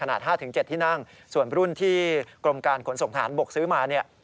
๕๗ที่นั่งส่วนรุ่นที่กรมการขนส่งทหารบกซื้อมาเนี่ย